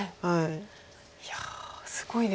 いやすごいですね。